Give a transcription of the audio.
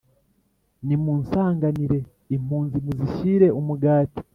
Nimusanganire impunzi, muzishyire umugati,